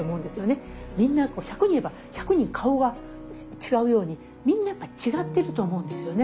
みんな１００人いれば１００人顔は違うようにみんなやっぱり違ってると思うんですよね。